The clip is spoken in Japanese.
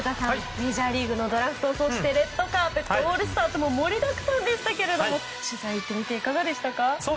メジャーリーグのドラフトそしてレッドカーペットオールスターと盛りだくさんでしたが取材に行ってみていかがでしたか？